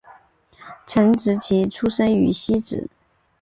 陈植棋出生于汐止